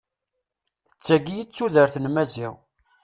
D tayi i tudert n Maziɣ.